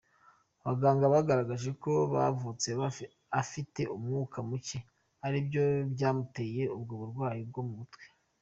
Abaganga bagaragaje ko yavutse afite umwuka muke aribyo baymuteye ubwo burwayi bwo mu mutwe.